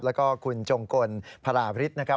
แล้วก็คุณจงกลพราบริษฐ์นะครับ